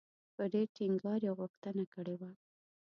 په ډېر ټینګار یې غوښتنه کړې وه.